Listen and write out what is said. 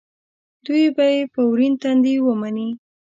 دوی به یې په ورین تندي ومني.